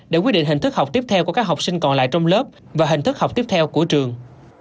để quyết định hình thức học tiếp theo của các học sinh còn lại trong lớp và hình thức học tiếp theo của trường